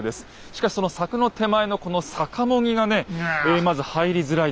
しかしその柵の手前のこのさかも木がねまず入りづらいです。